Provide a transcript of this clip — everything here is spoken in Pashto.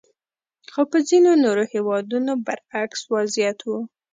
خو په ځینو نورو هېوادونو برعکس وضعیت وو.